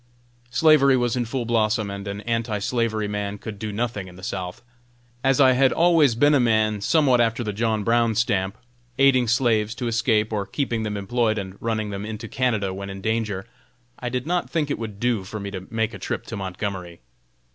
Slavery was in full blossom, and an anti slavery man could do nothing in the South. As I had always been a man somewhat after the John Brown stamp, aiding slaves to escape, or keeping them employed, and running them into Canada when in danger, I did not think it would do for me to make a trip to Montgomery.